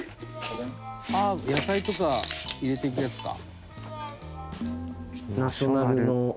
伊達：野菜とか入れていくやつか。